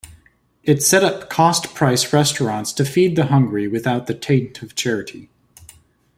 It set up "cost-price" restaurants to feed the hungry without the taint of charity.